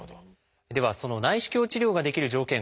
ではその内視鏡治療ができる条件